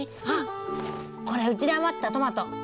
あっこれうちで余ったトマト！